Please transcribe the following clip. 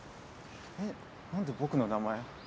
えっ何で僕の名前。